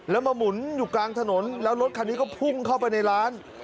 แล้วมาหมุนอยู่กลางถนนแล้วรถคันนี้ก็พุ่งเข้าไปในร้าน